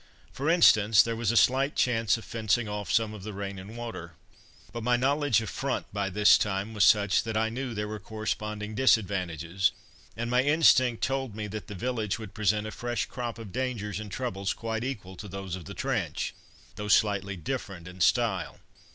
For instance, there was a slight chance of fencing off some of the rain and water. But my knowledge of "front" by this time was such that I knew there were corresponding disadvantages, and my instinct told me that the village would present a fresh crop of dangers and troubles quite equal to those of the trench, though slightly different in style.